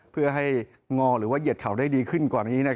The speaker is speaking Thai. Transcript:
เพื่อให้งอหรือว่าเหยียดเข่าได้ดีขึ้นกว่านี้